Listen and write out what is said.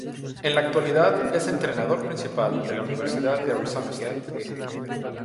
En la actualidad es entrenador principal de la Universidad de Arizona State.